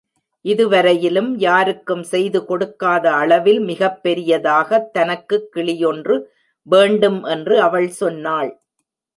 இதுவரையிலும் யாருக்கும் செய்து கொடுக்காத அளவில் மிகப்பெரியதாகத் தனக்குக் கிளியொன்று வேண்டும் என்று அவள் சொன்னாள்.